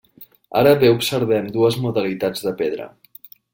Ara bé observem dues modalitats de pedra.